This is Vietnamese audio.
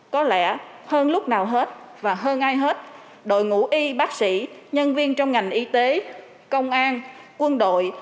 có lẽ hơn lúc nào hết và hơn ai hết đội ngũ y bác sĩ nhân viên trong ngành y tế công an quân đội